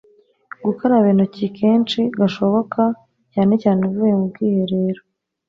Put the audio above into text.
gukaraba intoki kenshi gashoboka cyane cyane uvuye mu bwiherero